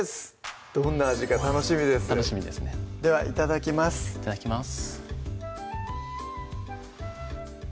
どんな味か楽しみです楽しみですねではいただきますいただきます